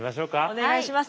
お願いします。